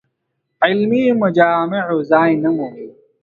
علمي مجامعو ځای نه مومي.